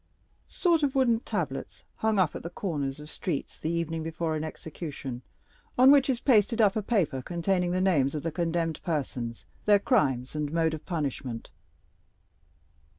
"Sort of wooden tablets hung up at the corners of streets the evening before an execution, on which is pasted up a paper containing the names of the condemned persons, their crimes, and mode of punishment.